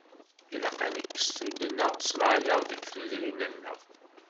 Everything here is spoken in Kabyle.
Ilaq ad nekkes tuddna s leɛyaḍ deg tudrin-nneɣ.